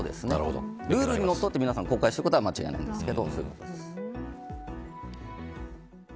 ルールにのっとって皆さん公開していることは間違いないんですけどね。